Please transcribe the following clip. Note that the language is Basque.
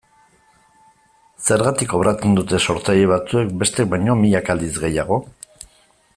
Zergatik kobratzen dute sortzaile batzuek bestek baino milaka aldiz gehiago?